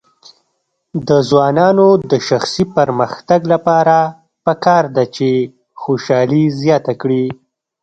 د ځوانانو د شخصي پرمختګ لپاره پکار ده چې خوشحالي زیاته کړي.